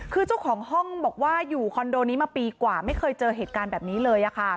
คือเจ้าของห้องบอกว่าอยู่คอนโดนี้มาปีกว่าไม่เคยเจอเหตุการณ์แบบนี้เลย